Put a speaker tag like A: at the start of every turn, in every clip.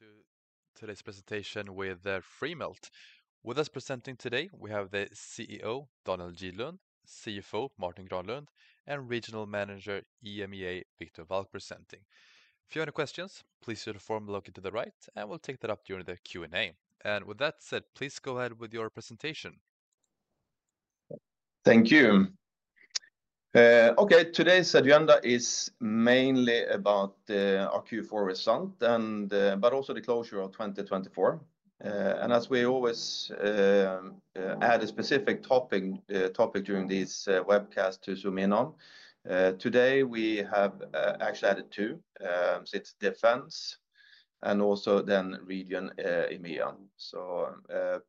A: Hello, and welcome to today's presentation with Freemelt. With us presenting today, we have the CEO, Daniel Gidlund; CFO, Martin Granlund; and Regional Manager, EMEA, Viktor Valk presenting. If you have any questions, please use the form located to the right, and we'll take that up during the Q&A. With that said, please go ahead with your presentation.
B: Thank you. Okay, today's agenda is mainly about the Q4 result, but also the closure of 2024. As we always add a specific topic during these webcasts to zoom in on, today we have actually added two, so it's defense and also then region EMEA.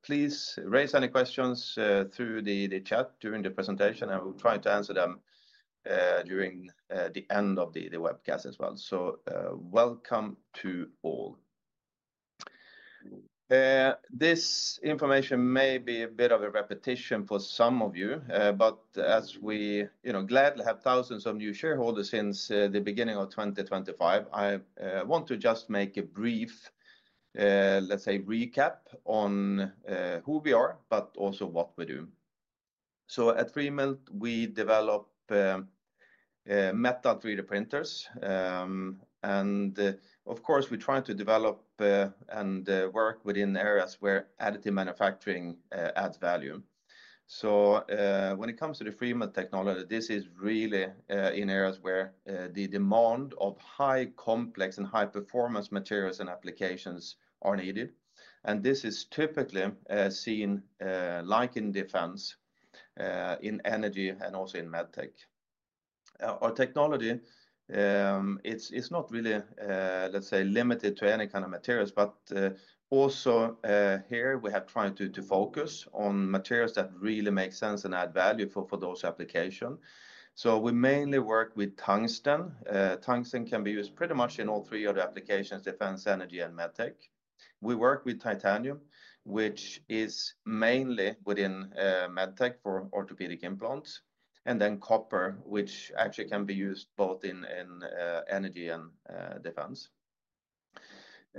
B: Please raise any questions through the chat during the presentation, and we'll try to answer them during the end of the webcast as well. Welcome to all. This information may be a bit of a repetition for some of you, but as we gladly have thousands of new shareholders since the beginning of 2025, I want to just make a brief, let's say, recap on who we are, but also what we do. At Freemelt, we develop metal 3D printers, and of course, we try to develop and work within areas where additive manufacturing adds value. When it comes to the Freemelt technology, this is really in areas where the demand of high complex and high performance materials and applications is needed. This is typically seen like in defense, in energy, and also in medtech. Our technology, it's not really, let's say, limited to any kind of materials, but also here we have tried to focus on materials that really make sense and add value for those applications. We mainly work with tungsten. Tungsten can be used pretty much in all three other applications: defense, energy, and medtech. We work with titanium, which is mainly within medtech for orthopedic implants, and then copper, which actually can be used both in energy and defense.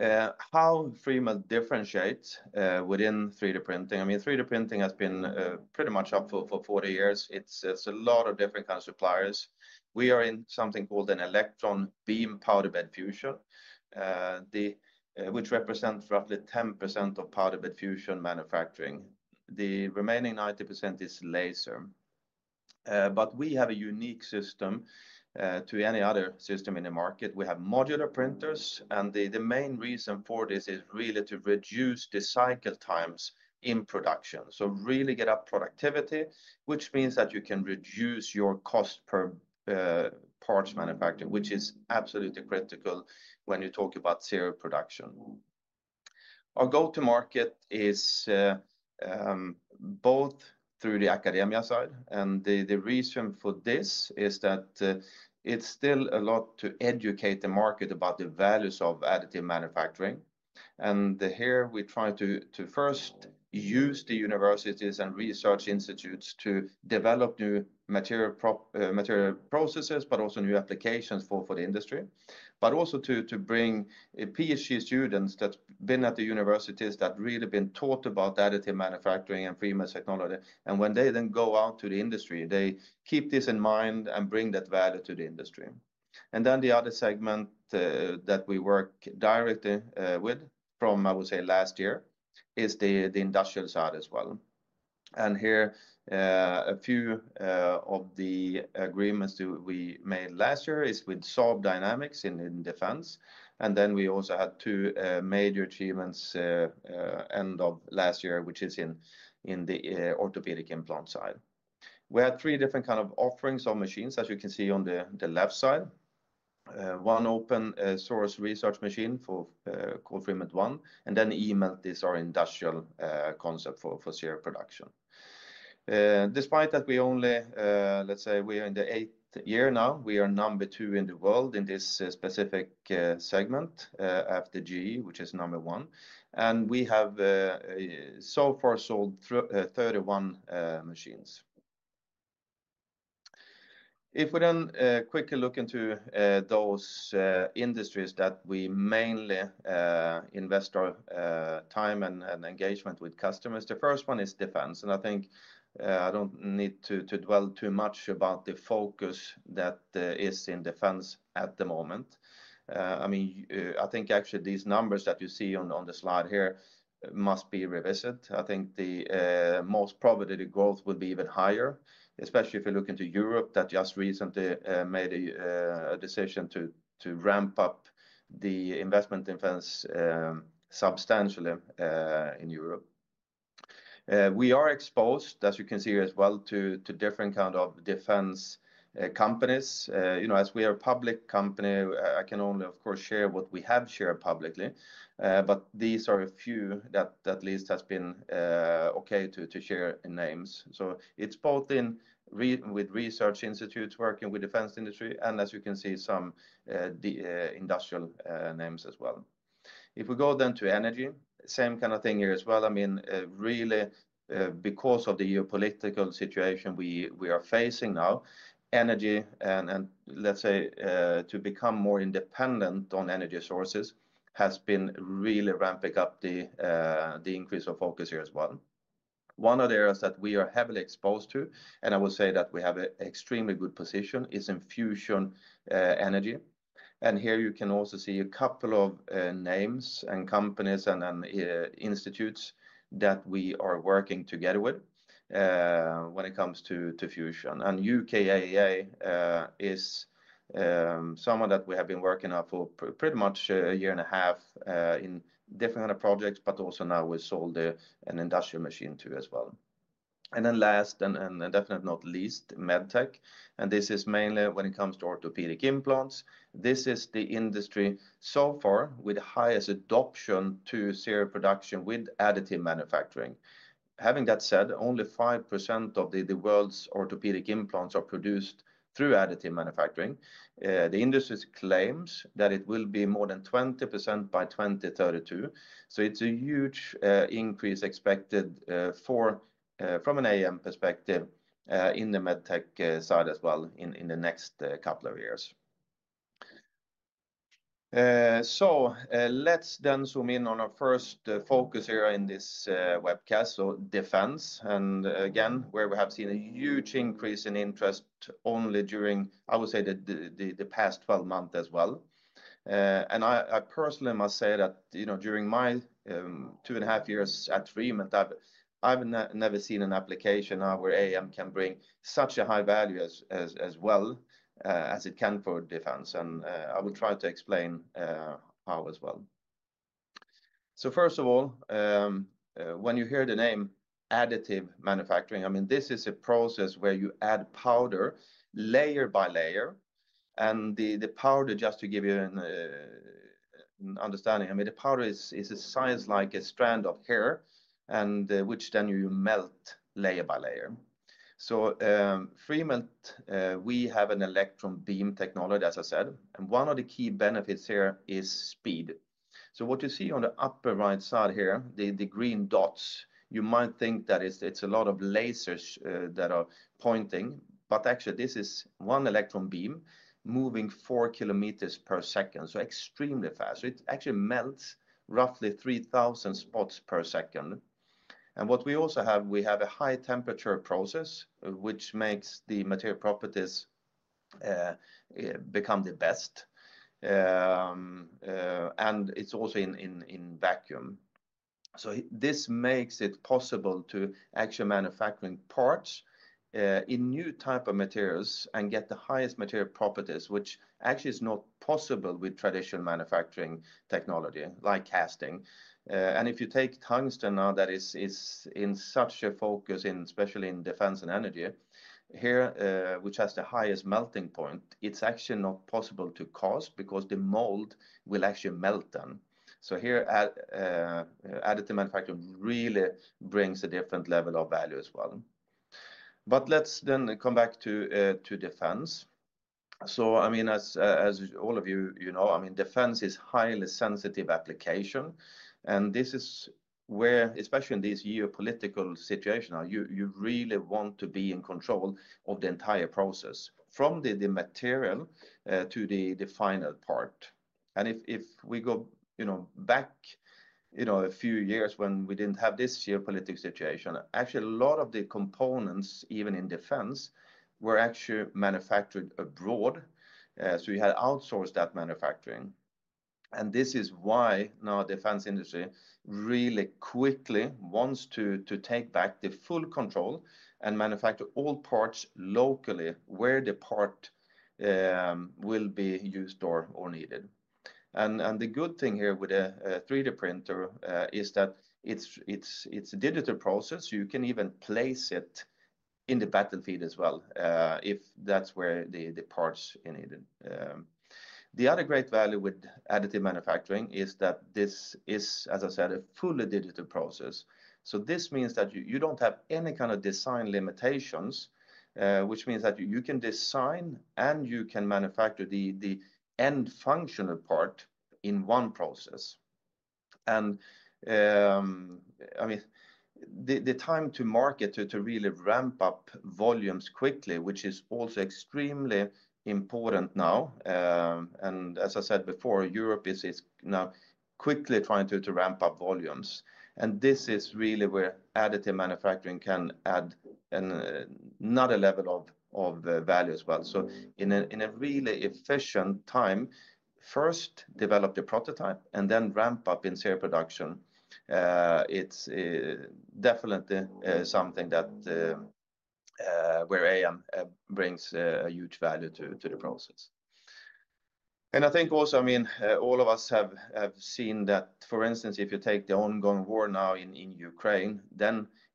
B: How Freemelt differentiates within 3D printing? I mean, 3D printing has been pretty much up for 40 years. It's a lot of different kinds of suppliers. We are in something called an electron beam powder bed fusion, which represents roughly 10% of powder bed fusion manufacturing. The remaining 90% is laser. We have a unique system to any other system in the market. We have modular printers, and the main reason for this is really to reduce the cycle times in production. Really get up productivity, which means that you can reduce your cost per parts manufacturing, which is absolutely critical when you talk about serial production. Our go-to-market is both through the academia side, and the reason for this is that it's still a lot to educate the market about the values of additive manufacturing. Here we try to first use the universities and research institutes to develop new material processes, but also new applications for the industry, but also to bring PhD students that have been at the universities that have really been taught about additive manufacturing and Freemelt technology. When they then go out to the industry, they keep this in mind and bring that value to the industry. The other segment that we work directly with from, I would say, last year is the industrial side as well. A few of the agreements we made last year are with Saab Dynamics in defense. We also had two major achievements end of last year, which is in the orthopedic implant side. We had three different kinds of offerings of machines, as you can see on the left side. One open source research machine called Freemelt ONE, and then eMELT is our industrial concept for serial production. Despite that, we only, let's say, we are in the eighth year now. We are number two in the world in this specific segment after GE, which is number one. We have so far sold 31 machines. If we then quickly look into those industries that we mainly invest our time and engagement with customers, the first one is defense. I think I don't need to dwell too much about the focus that is in defense at the moment. I mean, I think actually these numbers that you see on the slide here must be revisited. I think most probably the growth would be even higher, especially if you look into Europe that just recently made a decision to ramp up the investment in defense substantially in Europe. We are exposed, as you can see here as well, to different kinds of defense companies. As we are a public company, I can only, of course, share what we have shared publicly, but these are a few that at least have been okay to share in names. It is both in with research institutes working with defense industry and, as you can see, some industrial names as well. If we go then to energy, same kind of thing here as well. I mean, really, because of the geopolitical situation we are facing now, energy and, let's say, to become more independent on energy sources has been really ramping up the increase of focus here as well. One of the areas that we are heavily exposed to, and I would say that we have an extremely good position, is in fusion energy. Here you can also see a couple of names and companies and institutes that we are working together with when it comes to fusion. UKAEA is someone that we have been working on for pretty much a year and a half in different kinds of projects, but also now we sold an industrial machine to as well. Last, and definitely not least, medtech. This is mainly when it comes to orthopedic implants. This is the industry so far with the highest adoption to serial production with additive manufacturing. Having that said, only 5% of the world's orthopedic implants are produced through additive manufacturing. The industry claims that it will be more than 20% by 2032. It is a huge increase expected from an AM perspective in the medtech side as well in the next couple of years. Let's then zoom in on our first focus area in this webcast, defense. Again, we have seen a huge increase in interest only during, I would say, the past 12 months as well. I personally must say that during my two and a half years at Freemelt, I've never seen an application where AM can bring such a high value as it can for defense. I will try to explain how as well. First of all, when you hear the name additive manufacturing, I mean, this is a process where you add powder layer by layer. The powder, just to give you an understanding, I mean, the powder is a size like a strand of hair, which you then melt layer by layer. Freemelt, we have an electron beam technology, as I said. One of the key benefits here is speed. What you see on the upper right side here, the green dots, you might think that it's a lot of lasers that are pointing, but actually this is one electron beam moving 4 km per second, so extremely fast. It actually melts roughly 3,000 spots per second. What we also have, we have a high temperature process, which makes the material properties become the best. It's also in vacuum. This makes it possible to actually manufacture parts in new types of materials and get the highest material properties, which actually is not possible with traditional manufacturing technology like casting. If you take tungsten now, that is in such a focus, especially in defense and energy here, which has the highest melting point, it's actually not possible to cast because the mold will actually melt then. Here additive manufacturing really brings a different level of value as well. Let's then come back to defense. I mean, as all of you know, defense is a highly sensitive application. This is where, especially in this geopolitical situation, you really want to be in control of the entire process from the material to the final part. If we go back a few years when we did not have this geopolitical situation, actually a lot of the components, even in defense, were actually manufactured abroad. We had outsourced that manufacturing. This is why now the defense industry really quickly wants to take back the full control and manufacture all parts locally where the part will be used or needed. The good thing here with a 3D printer is that it is a digital process. You can even place it in the battlefield as well if that's where the parts are needed. The other great value with additive manufacturing is that this is, as I said, a fully digital process. This means that you don't have any kind of design limitations, which means that you can design and you can manufacture the end functional part in one process. I mean, the time to market to really ramp up volumes quickly, which is also extremely important now. As I said before, Europe is now quickly trying to ramp up volumes. This is really where additive manufacturing can add another level of value as well. In a really efficient time, first develop the prototype and then ramp up in serial production. It's definitely something where AM brings a huge value to the process. I think also, I mean, all of us have seen that, for instance, if you take the ongoing war now in Ukraine,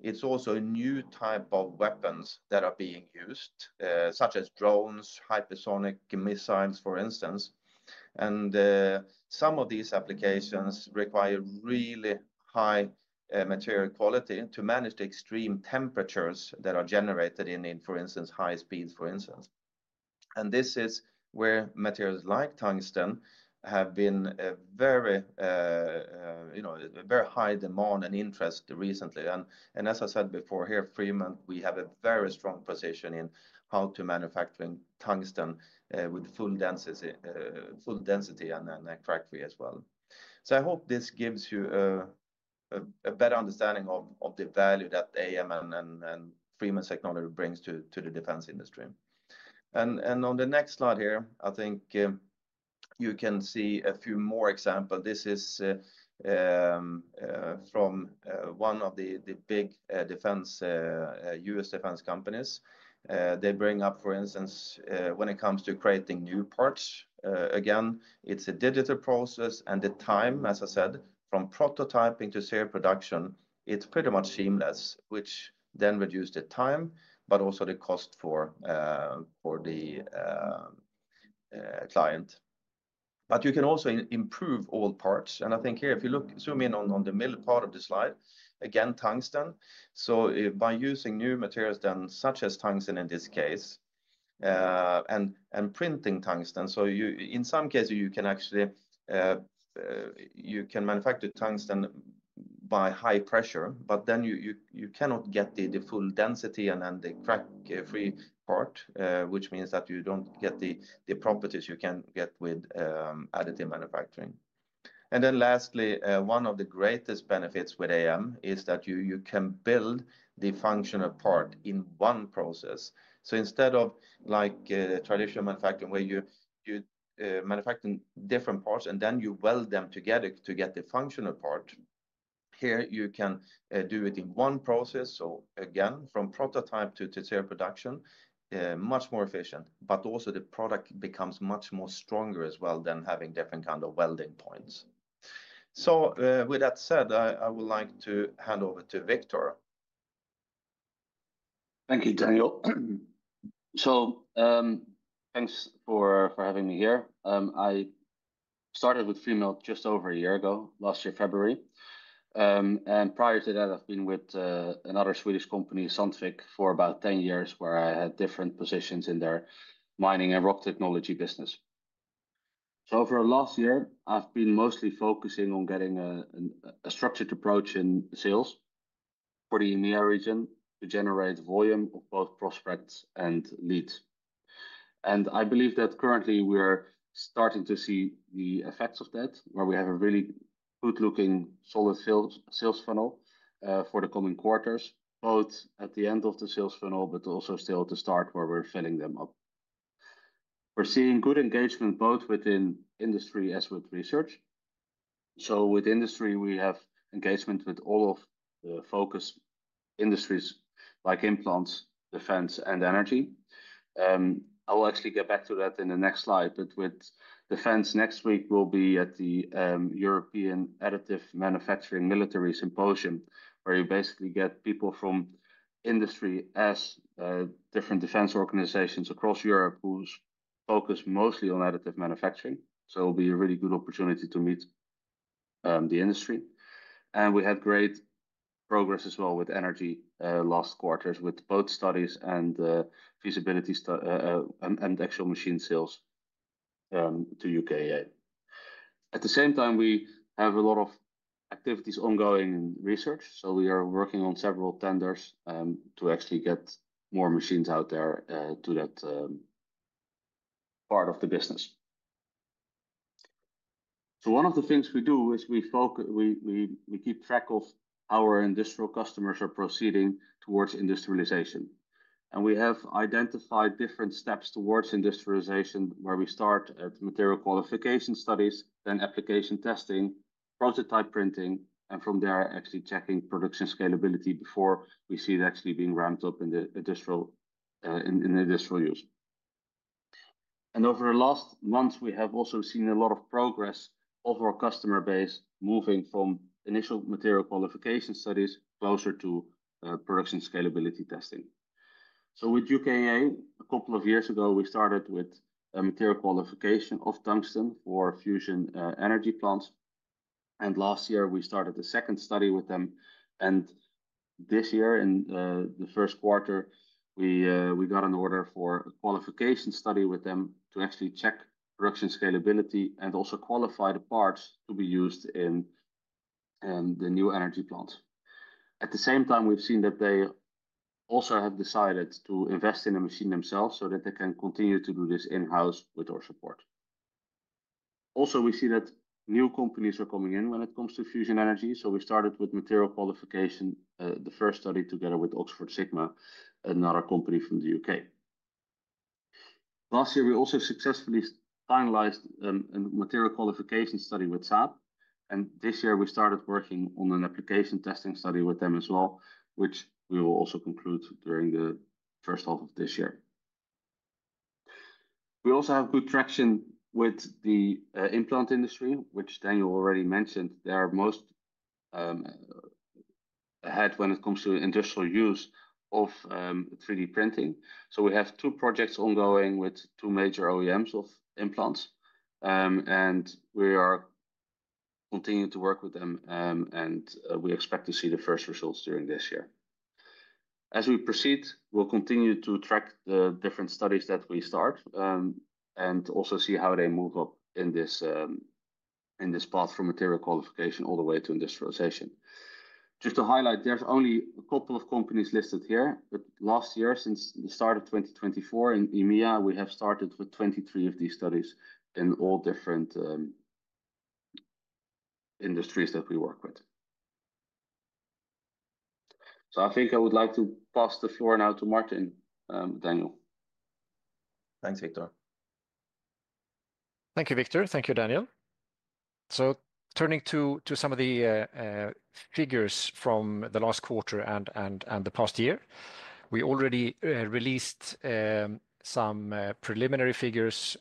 B: it's also a new type of weapons that are being used, such as drones, hypersonic missiles, for instance. Some of these applications require really high material quality to manage the extreme temperatures that are generated in, for instance, high speeds, for instance. This is where materials like tungsten have been a very high demand and interest recently. As I said before here, Freemelt, we have a very strong position in how to manufacture tungsten with full density and accuracy as well. I hope this gives you a better understanding of the value that AM and Freemelt technology brings to the defense industry. On the next slide here, I think you can see a few more examples. This is from one of the big U.S. defense companies. They bring up, for instance, when it comes to creating new parts, again, it's a digital process. The time, as I said, from prototyping to serial production, is pretty much seamless, which reduces the time, but also the cost for the client. You can also improve all parts. I think here, if you look, zoom in on the middle part of the slide, again, tungsten. By using new materials such as tungsten in this case and printing tungsten, in some cases, you can actually manufacture tungsten by high pressure, but then you cannot get the full density and the crack-free part, which means that you do not get the properties you can get with additive manufacturing. One of the greatest benefits with AM is that you can build the functional part in one process. Instead of like traditional manufacturing where you manufacture different parts and then you weld them together to get the functional part, here you can do it in one process. Again, from prototype to serial production, much more efficient, but also the product becomes much more stronger as well than having different kinds of welding points. With that said, I would like to hand over to Viktor.
C: Thank you, Daniel. Thanks for having me here. I started with Freemelt just over a year ago, last year, February. Prior to that, I've been with another Swedish company, Sandvik, for about 10 years where I had different positions in their mining and rock technology business. For the last year, I've been mostly focusing on getting a structured approach in sales for the EMEA region to generate volume of both prospects and leads. I believe that currently we're starting to see the effects of that, where we have a really good-looking solid sales funnel for the coming quarters, both at the end of the sales funnel, but also still at the start where we're filling them up. We're seeing good engagement both within industry as with research. With industry, we have engagement with all of the focus industries like implants, defense, and energy. I'll actually get back to that in the next slide, but with defense next week, we'll be at the European Additive Manufacturing Military Symposium, where you basically get people from industry as different defense organizations across Europe who focus mostly on additive manufacturing. It'll be a really good opportunity to meet the industry. We had great progress as well with energy last quarters with both studies and feasibility and actual machine sales to UKAEA. At the same time, we have a lot of activities ongoing in research. We are working on several tenders to actually get more machines out there to that part of the business. One of the things we do is we keep track of how our industrial customers are proceeding towards industrialization. We have identified different steps towards industrialization where we start at material qualification studies, then application testing, prototype printing, and from there, actually checking production scalability before we see it actually being ramped up in industrial use. Over the last months, we have also seen a lot of progress of our customer base moving from initial material qualification studies closer to production scalability testing. With UKAEA, a couple of years ago, we started with material qualification of tungsten for fusion energy plants. Last year, we started the second study with them. This year, in the first quarter, we got an order for a qualification study with them to actually check production scalability and also qualify the parts to be used in the new energy plants. At the same time, we've seen that they also have decided to invest in a machine themselves so that they can continue to do this in-house with our support. Also, we see that new companies are coming in when it comes to fusion energy. We started with material qualification, the first study together with Oxford Sigma, another company from the U.K. Last year, we also successfully finalized a material qualification study with Saab. This year, we started working on an application testing study with them as well, which we will also conclude during the first half of this year. We also have good traction with the implant industry, which Daniel already mentioned. They are most ahead when it comes to industrial use of 3D printing. We have two projects ongoing with two major OEMs of implants. We are continuing to work with them, and we expect to see the first results during this year. As we proceed, we'll continue to track the different studies that we start and also see how they move up in this path from material qualification all the way to industrialization. Just to highlight, there's only a couple of companies listed here, but last year, since the start of 2024 in EMEA, we have started with 23 of these studies in all different industries that we work with. I think I would like to pass the floor now to Martin and Daniel.
B: Thanks, Viktor.
D: Thank you, Viktor. Thank you, Daniel. Turning to some of the figures from the last quarter and the past year, we already released some preliminary figures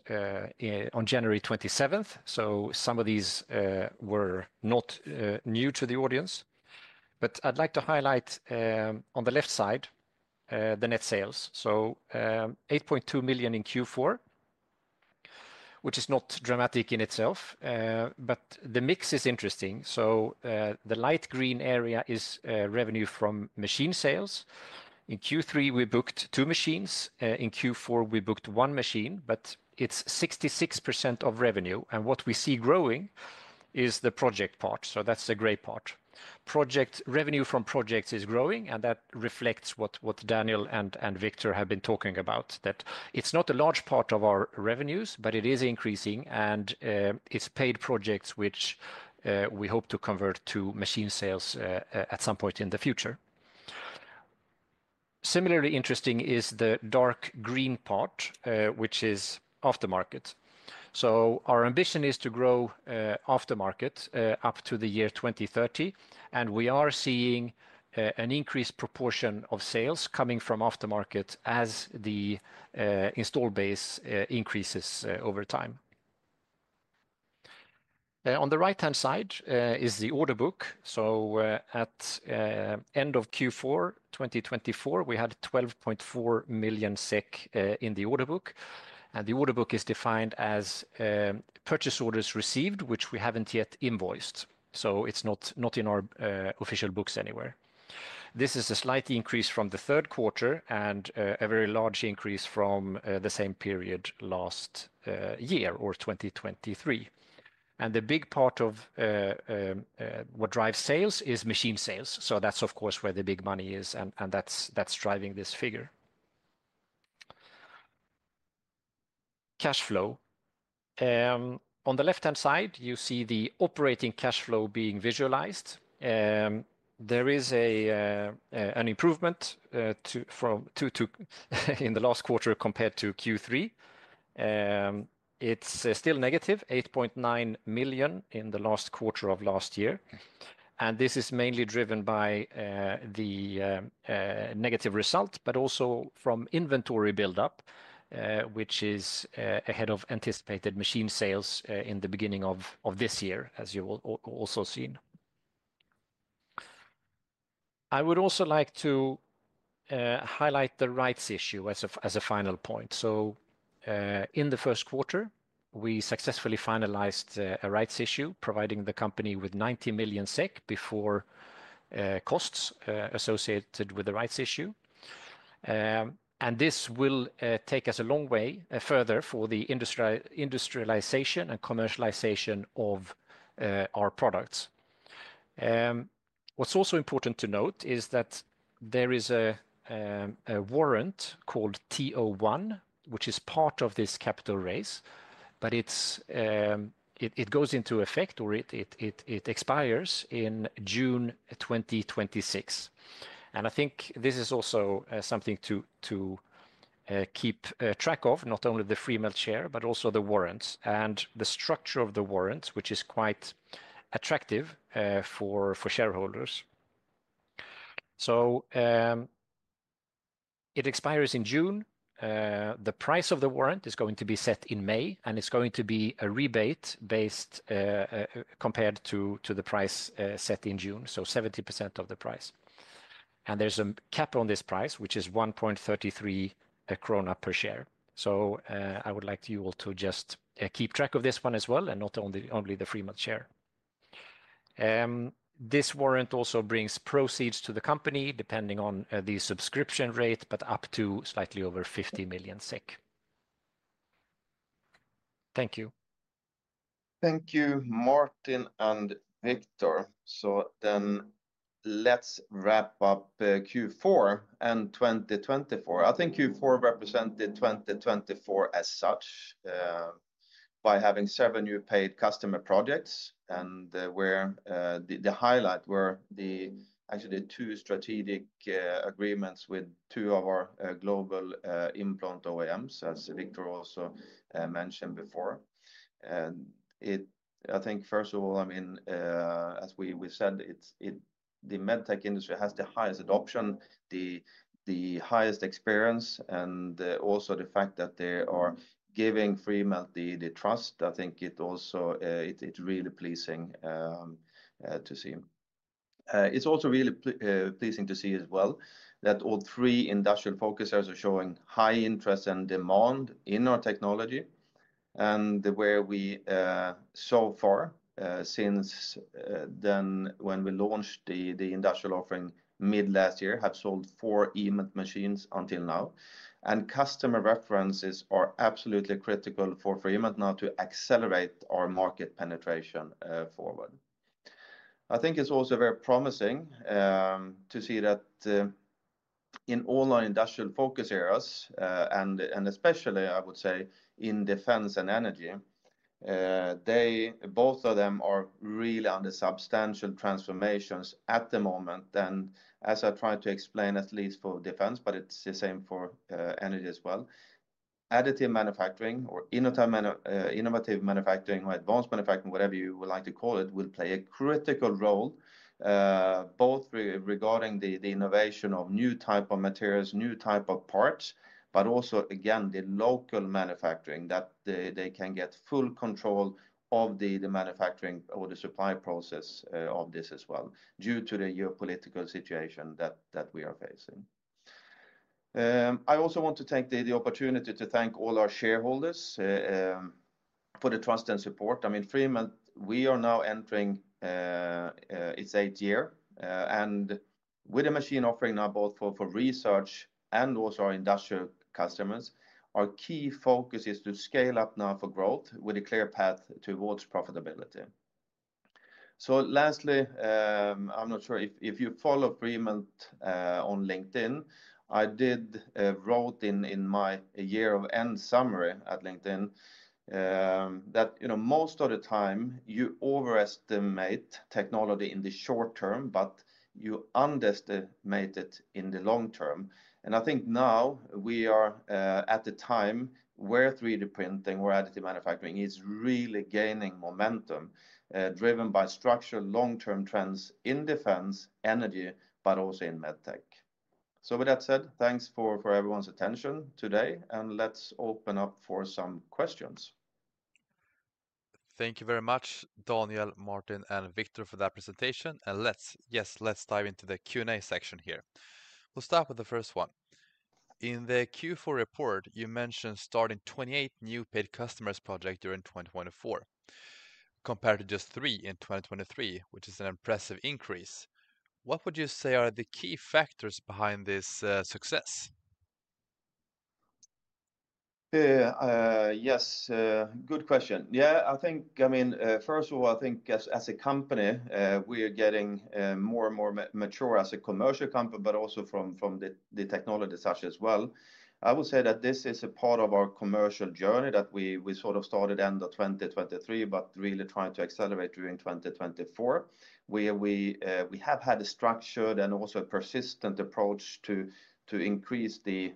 D: on January 27. Some of these were not new to the audience. I would like to highlight on the left side the net sales. 8.2 million in Q4, which is not dramatic in itself, but the mix is interesting. The light green area is revenue from machine sales. In Q3, we booked two machines. In Q4, we booked one machine, but it is 66% of revenue. What we see growing is the project part. That is a great part. Revenue from projects is growing, and that reflects what Daniel and Viktor have been talking about, that it is not a large part of our revenues, but it is increasing. It is paid projects, which we hope to convert to machine sales at some point in the future. Similarly interesting is the dark green part, which is aftermarket. Our ambition is to grow aftermarket up to the year 2030. We are seeing an increased proportion of sales coming from aftermarket as the install base increases over time. On the right-hand side is the order book. At the end of Q4 2024, we had 12.4 million SEK in the order book. The order book is defined as purchase orders received, which we have not yet invoiced. It is not in our official books anywhere. This is a slight increase from the third quarter and a very large increase from the same period last year or 2023. The big part of what drives sales is machine sales. That's, of course, where the big money is, and that's driving this figure. Cash flow. On the left-hand side, you see the operating cash flow being visualized. There is an improvement in the last quarter compared to Q3. It's still negative, 8.9 million in the last quarter of last year. This is mainly driven by the negative result, but also from inventory buildup, which is ahead of anticipated machine sales in the beginning of this year, as you will also see. I would also like to highlight the rights issue as a final point. In the first quarter, we successfully finalized a rights issue, providing the company with 90 million SEK before costs associated with the rights issue. This will take us a long way further for the industrialization and commercialization of our products. What's also important to note is that there is a warrant called TO1, which is part of this capital raise, but it goes into effect or it expires in June 2026. I think this is also something to keep track of, not only the Freemelt share, but also the warrants and the structure of the warrants, which is quite attractive for shareholders. It expires in June. The price of the warrant is going to be set in May, and it's going to be a rebate compared to the price set in June, so 70% of the price. There's a cap on this price, which is 1.33 krona per share. I would like you all to just keep track of this one as well and not only the Freemelt share. This warrant also brings proceeds to the company depending on the subscription rate, but up to slightly over 50 million SEK. Thank you.
B: Thank you, Martin and Viktor. Let's wrap up Q4 and 2024. I think Q4 represented 2024 as such by having seven new paid customer projects. The highlight were actually two strategic agreements with two of our global implant OEMs, as Viktor also mentioned before. I think, first of all, I mean, as we said, the medtech industry has the highest adoption, the highest experience, and also the fact that they are giving Freemelt the trust, I think it's really pleasing to see. It's also really pleasing to see as well that all three industrial focus are showing high interest and demand in our technology. Where we so far since then when we launched the industrial offering mid-last year, have sold four eMELT machines until now. Customer references are absolutely critical for Freemelt now to accelerate our market penetration forward. I think it's also very promising to see that in all our industrial focus areas, and especially, I would say, in defense and energy, both of them are really under substantial transformations at the moment. As I tried to explain, at least for defense, but it's the same for energy as well. Additive manufacturing or innovative manufacturing or advanced manufacturing, whatever you would like to call it, will play a critical role both regarding the innovation of new types of materials, new types of parts, but also, again, the local manufacturing that they can get full control of the manufacturing or the supply process of this as well due to the geopolitical situation that we are facing. I also want to take the opportunity to thank all our shareholders for the trust and support. I mean, Freemelt, we are now entering its eighth year. With a machine offering now both for research and also our industrial customers, our key focus is to scale up now for growth with a clear path towards profitability. Lastly, I'm not sure if you follow Freemelt on LinkedIn. I did write in my year-end summary at LinkedIn that most of the time, you overestimate technology in the short term, but you underestimate it in the long term. I think now we are at a time where 3D printing or additive manufacturing is really gaining momentum driven by structural long-term trends in defense, energy, but also in medtech. With that said, thanks for everyone's attention today. Let's open up for some questions.
A: Thank you very much, Daniel, Martin, and Viktor for that presentation. Yes, let's dive into the Q&A section here. We'll start with the first one.In the Q4 report, you mentioned starting 28 new paid customers projects during 2024 compared to just three in 2023, which is an impressive increase. What would you say are the key factors behind this success?
B: Yes, good question. Yeah, I think, I mean, first of all, I think as a company, we are getting more and more mature as a commercial company, but also from the technology such as well. I would say that this is a part of our commercial journey that we sort of started end of 2023, but really trying to accelerate during 2024, where we have had a structured and also a persistent approach to increase the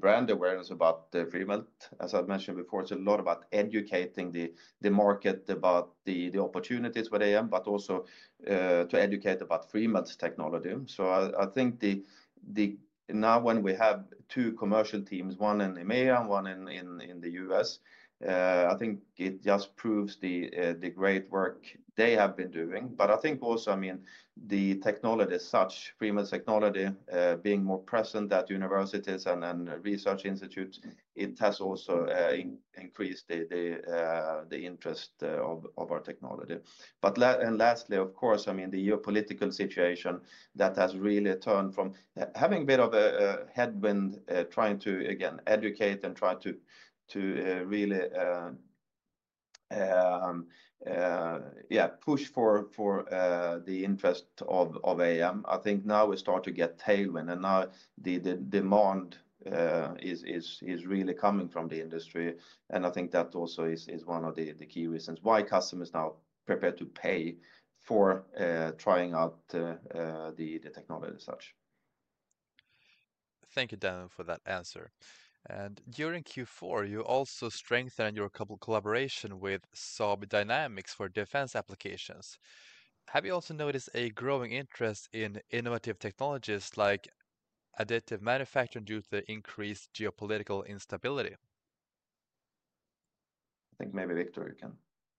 B: brand awareness about Freemelt. As I mentioned before, it's a lot about educating the market about the opportunities where they are, but also to educate about Freemelt's technology. I think now when we have two commercial teams, one in EMEA and one in the U.S., I think it just proves the great work they have been doing. I think also, I mean, the technology as such, Freemelt's technology being more present at universities and research institutes, it has also increased the interest of our technology. Lastly, of course, I mean, the geopolitical situation that has really turned from having a bit of a headwind trying to, again, educate and try to really, yeah, push for the interest of AM. I think now we start to get tailwind, and now the demand is really coming from the industry. I think that also is one of the key reasons why customers now prepare to pay for trying out the technology as such.
A: Thank you, Daniel, for that answer. During Q4, you also strengthened your couple of collaborations with Saab Dynamics for defense applications. Have you also noticed a growing interest in innovative technologies like additive manufacturing due to the increased geopolitical instability?
B: I think maybe Viktor, you can.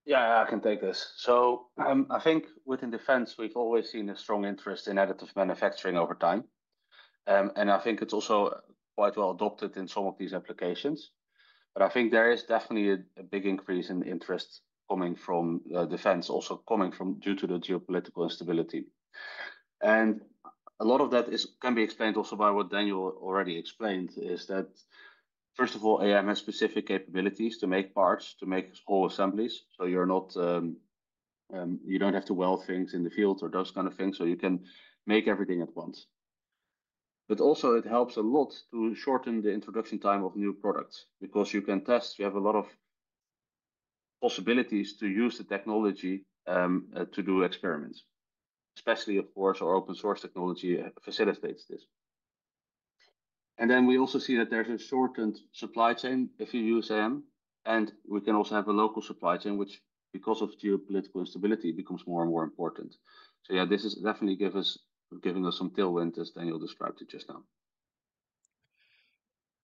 C: Yeah, I can take this. I think within defense, we've always seen a strong interest in additive manufacturing over time. I think it's also quite well adopted in some of these applications. I think there is definitely a big increase in interest coming from defense, also coming due to the geopolitical instability. A lot of that can be explained also by what Daniel already explained is that, first of all, AM has specific capabilities to make parts, to make whole assemblies. You do not have to weld things in the field or those kinds of things. You can make everything at once. It also helps a lot to shorten the introduction time of new products because you can test. You have a lot of possibilities to use the technology to do experiments, especially, of course, our open-source technology facilitates this. We also see that there is a shortened supply chain if you use AM. We can also have a local supply chain, which because of geopolitical instability becomes more and more important. This is definitely giving us some tailwind as Daniel described it just now.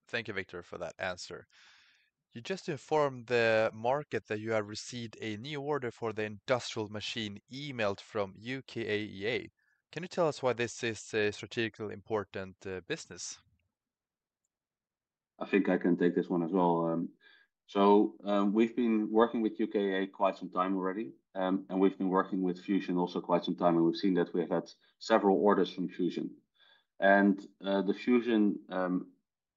A: Thank you, Viktor, for that answer. You just informed the market that you have received a new order for the industrial machine eMELT from UKAEA. Can you tell us why this is a strategically important business?
C: I think I can take this one as well. We have been working with UKAEA quite some time already. We have been working with Fusion also quite some time. We have seen that we have had several orders from Fusion. The fusion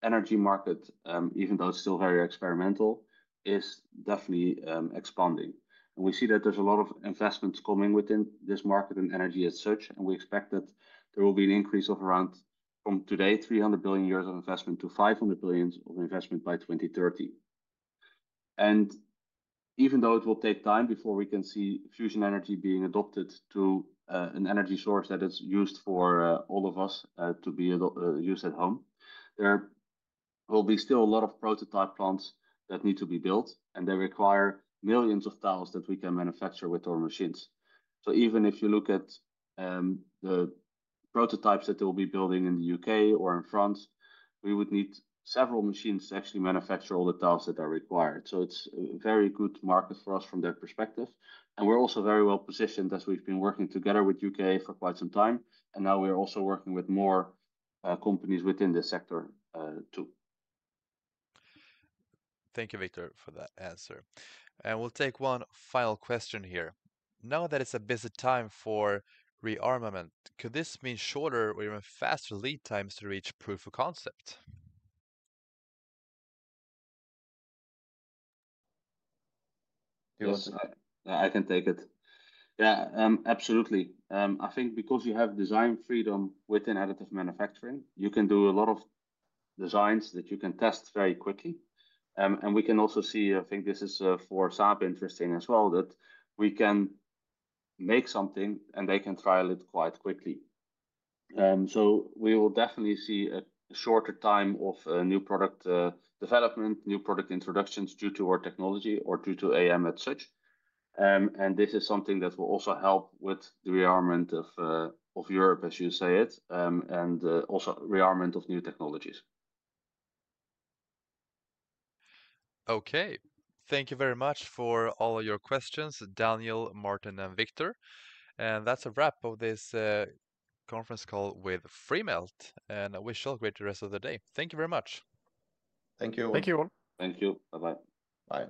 C: energy market, even though it is still very experimental, is definitely expanding. We see that there is a lot of investments coming within this market and energy as such. We expect that there will be an increase of around, from today, 300 billion of investment to 500 billion of investment by 2030. Even though it will take time before we can see fusion energy being adopted to an energy source that is used for all of us to be used at home, there will still be a lot of prototype plants that need to be built. They require millions of tiles that we can manufacture with our machines. Even if you look at the prototypes that they will be building in the U.K. or in France, we would need several machines to actually manufacture all the tiles that are required. It is a very good market for us from that perspective. We are also very well positioned as we have been working together with the U.K. for quite some time. Now we are also working with more companies within the sector too.
A: Thank you, Viktor, for that answer. We will take one final question here. Now that it is a busy time for rearmament, could this mean shorter or even faster lead times to reach proof of concept?
C: I can take it. Yeah, absolutely. I think because you have design freedom within additive manufacturing, you can do a lot of designs that you can test very quickly. We can also see, I think this is for Saab interesting as well, that we can make something and they can trial it quite quickly. We will definitely see a shorter time of new product development, new product introductions due to our technology or due to AM at such. This is something that will also help with the rearmament of Europe, as you say it, and also rearmament of new technologies.
A: Okay. Thank you very much for all your questions, Daniel, Martin, and Viktor. That's a wrap of this conference call with Freemelt. We shall greet the rest of the day. Thank you very much.
D: Thank you.
C: Thank you all.
B: Thank you. Bye-bye. Bye.